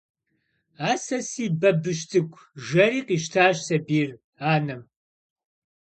– А сэ си бабыщ цӀыкӀу, – жэри къищтащ сабийр анэм.